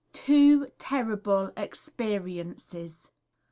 Two Terrible Experiences.